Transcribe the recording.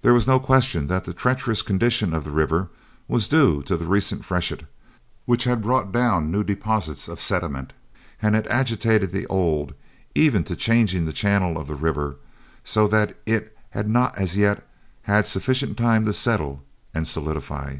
There was no question that the treacherous condition of the river was due to the recent freshet, which had brought down new deposits of sediment and had agitated the old, even to changing the channel of the river, so that it had not as yet had sufficient time to settle and solidify.